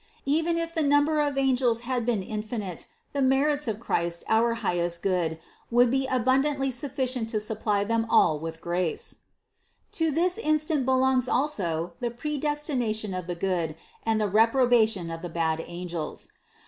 Even if the number of angels had been infinite, the merits of Christ our highest Good, would be abundantly sufficient to supply them all with grace. THE CONCEPTION 59 47. To this instant belongs also the predestination of the good, and the reprobation of the bad angels.